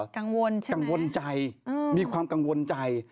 กังวลใช่ไหมกังวลใจมีความกังวลใจ